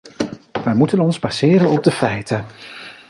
We moeten ons baseren op de feiten.